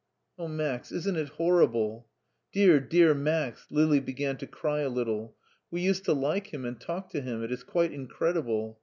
*' Oh, Max, isn't it horrible ? Dear, dear Max !" Lili began to cry a little. " We used to like him, and talk to him. It is quite incredible.